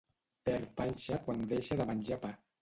Perd panxa quan deixa de menjar pa.